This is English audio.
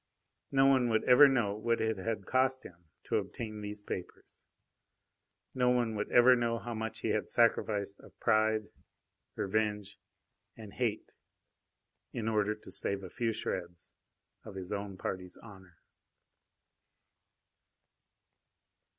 No one would ever know what it had cost him to obtain these papers. No one would ever know how much he had sacrificed of pride, revenge and hate in order to save a few shreds of his own party's honour.